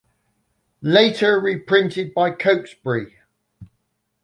Later reprinted by Cokesbury.